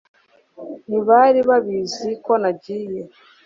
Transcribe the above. ntibari babizi ko nagiye